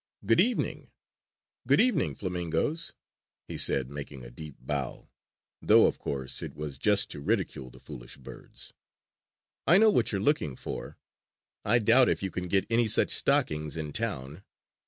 "Good evening, good evening, flamingoes," he said, making a deep bow, though, of course, it was just to ridicule the foolish birds. "I know what you are looking for. I doubt if you can get any such stockings in town.